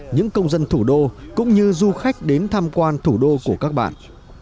những công dân thủ đô cũng như du khách đến tham quan thủ đô của các bạn